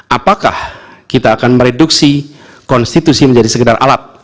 apakah kita akan mereduksi konstitusi menjadi sekedar alat